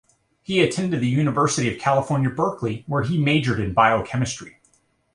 He attended the University of California, Berkeley where he majored in biochemistry.